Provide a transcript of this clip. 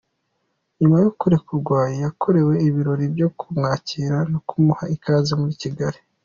Nyuma yo kurekurwa yakorewe ibirori byo kumwakira no kumuha ikaze muri Kigali.